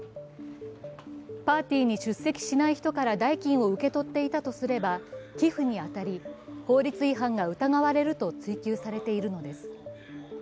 パーティーに出席しない人から代金を受け取っていたとすれば、寄付にあたり、法律違反が疑われると追及されているのです。